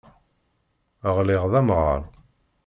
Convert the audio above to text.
Ɣliɣ d amɣar.